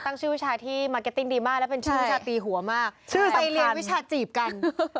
ผู้ผู้ชมแบบอยากเรียน